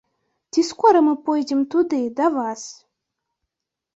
Ці скора мы пойдзем туды, да вас?